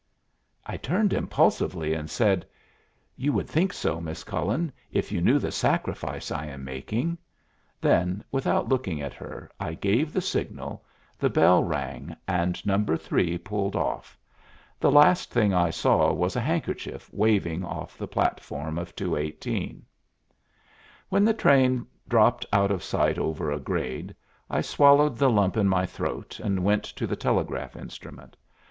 I turned impulsively, and said, "You would think so, Miss Cullen, if you knew the sacrifice I am making." Then, without looking at her, I gave the signal, the bell rang, and No. 3 pulled off. The last thing I saw was a handkerchief waving off the platform of 218. When the train dropped out of sight over a grade, I swallowed the lump in my throat and went to the telegraph instrument.